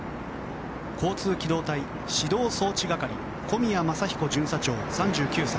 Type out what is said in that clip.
交通機動隊指導送致係小宮正彦巡査長、３９歳。